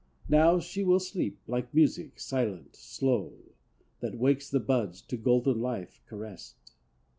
Now she will sleep, like music, silent, slow, That wakes the buds, to golden life caressed.